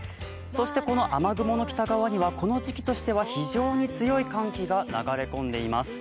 この雨雲の北側には、この時期としては非常に強い寒気が流れ込んでいます。